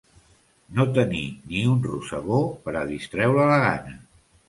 No tenir ni un rosegó per a distreure la gana.